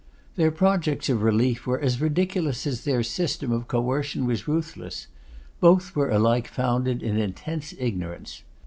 Their projects of relief were as ridiculous as their system of coercion was ruthless; both were alike founded in intense ignorance.